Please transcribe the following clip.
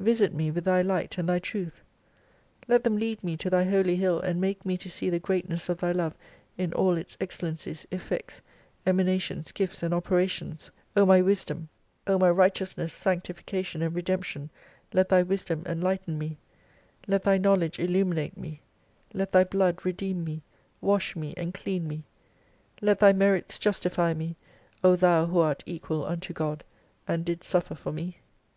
Visit me with Thy light and Thy truth ; let them lead me to Thy Holy Hill and make me to see the greatness of Thy love in all its excellen cies, effects, emanations, gifts and operations ; O my Wisdom ! O my Righteousness, Sanctification and Re demption ; let Thy wisdom enlighten me, let Thy knowledge illuminate me, let Thy blood redeem me, wash me and clean me, let Thy merits justify me, O Thou who art equal unto God, and didst suffer for me.